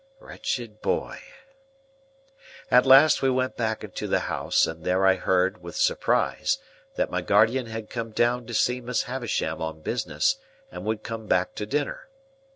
Wretched boy! At last we went back into the house, and there I heard, with surprise, that my guardian had come down to see Miss Havisham on business, and would come back to dinner.